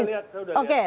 saya sudah lihat